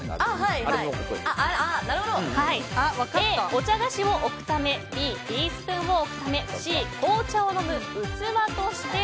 Ａ、お茶菓子を置くためＢ、ティースプーンを置くためＣ、紅茶を飲む器として。